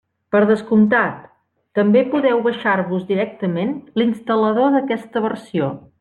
Per descomptat, també podeu baixar-vos directament l'instal·lador d'aquesta versió.